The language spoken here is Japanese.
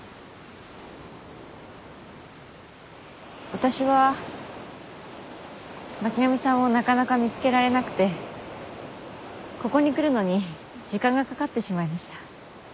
私は巻上さんをなかなか見つけられなくてここに来るのに時間がかかってしまいました。